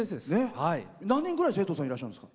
何人ぐらい生徒さんいらっしゃるんですか？